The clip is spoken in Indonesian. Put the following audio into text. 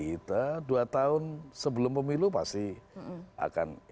kita dua tahun sebelum pemilu pasti akan